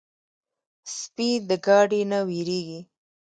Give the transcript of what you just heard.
سپي د ګاډي نه وېرېږي.